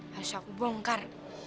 harus aku bongkar